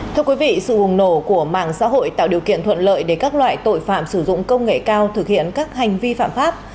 thưa quý vị sự bùng nổ của mạng xã hội tạo điều kiện thuận lợi để các loại tội phạm sử dụng công nghệ cao thực hiện các hành vi phạm pháp